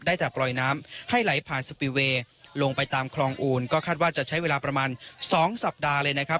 ได้แต่ปล่อยน้ำให้ไหลผ่านสปีเวย์ลงไปตามคลองอูนก็คาดว่าจะใช้เวลาประมาณ๒สัปดาห์เลยนะครับ